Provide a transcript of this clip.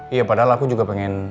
iya padahal aku juga pengen